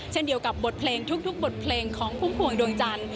เช่นเดียวกับบทเพลงทุกบทเพลงของพุ่มพวงดวงจันทร์